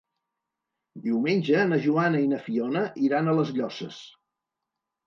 Diumenge na Joana i na Fiona iran a les Llosses.